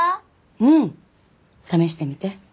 うん！試してみて。